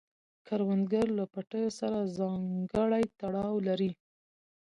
کروندګر له پټیو سره ځانګړی تړاو لري